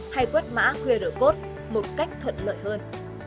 hay quét mã qr code một cách thuận lợi hơn